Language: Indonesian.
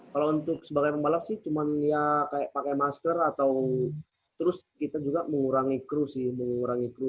kalau untuk sebagai pembalap sih cuma ya kayak pakai masker atau terus kita juga mengurangi kru sih mengurangi kru